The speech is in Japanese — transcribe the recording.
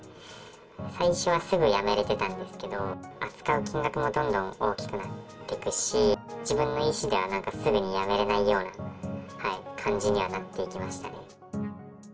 最初はすぐやめれたんですけど、扱う金額もどんどん大きくなっていくし、自分の意思ではなんかすぐにやめれないような、感じにはなっていきましたね。